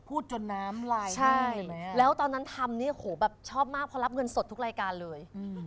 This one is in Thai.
พูดจนน้ำไลน์นี่เห็นไหมฮะใช่แล้วตอนนั้นทำนี่โหแบบชอบมากเพราะรับเงินสดทุกรายการเลย